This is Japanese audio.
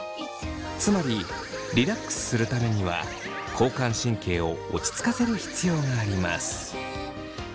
つまりリラックスするためには交感神経を落ち着かせる必要があります。